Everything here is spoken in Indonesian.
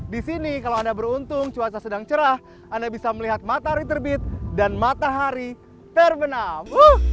di sini kalau anda beruntung cuaca sedang cerah anda bisa melihat matahari terbit dan matahari terbenam